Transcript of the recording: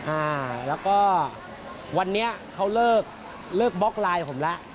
อ่าแล้วก็วันนี้เขาเลิกเลิกบล็อกไลน์ผมแล้ว